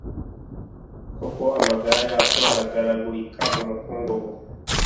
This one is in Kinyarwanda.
Koko amagara yacu aragaragurika mu mukungugu